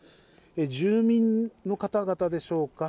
住民の方々でしょうか。